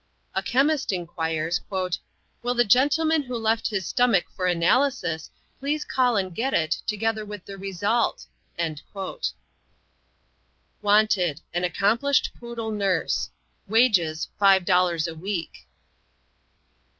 A chemist inquires, "Will the gentleman who left his stomach for analysis please call and get it, together with the result?" Wanted, an accomplished poodle nurse. Wages, $5.00 a week.